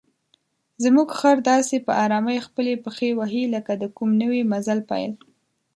زموږ خر داسې په آرامۍ خپلې پښې وهي لکه د کوم نوي مزل پیل.